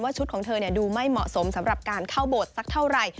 ชุดของเธอดูไม่เหมาะสมสำหรับการเข้าโบสถสักเท่าไหร่